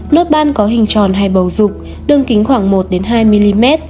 nốt ban có hình tròn hay bầu dục đường kính khoảng một đến hai mm